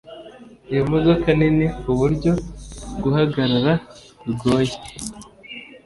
iyo modoka nini kuburyo guhagarara bigoye